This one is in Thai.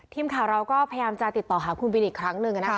ทีมข่าวเราก็พยายามจะติดต่อหาคุณบินอีกครั้งหนึ่ง